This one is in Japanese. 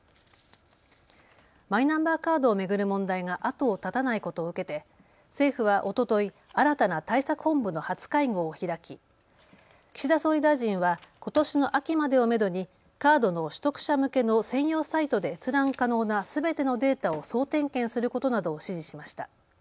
マイナンバーカードを巡る問題が後を絶たないことを受けて政府はおととい新たな対策本部の初会合を開き岸田総理大臣はことしの秋までをめどにカードの取得者向けの専用サイトで閲覧可能なすべてのデータを総点検することなどを指示しました。